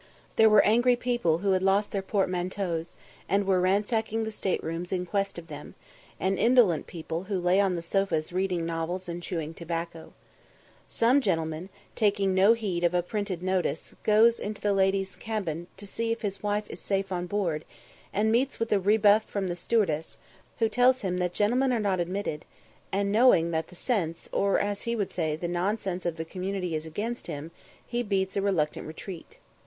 ] There were angry people who had lost their portmanteaus, and were ransacking the state rooms in quest of them, and indolent people who lay on the sofas reading novels and chewing tobacco. Some gentleman, taking no heed of a printed notice, goes to the ladies' cabin to see if his wife is safe on board, and meets with a rebuff from the stewardess, who tells him that "gentlemen are not admitted," and, knowing that the sense, or, as he would say, the nonsense of the community is against him, he beats a reluctant retreat.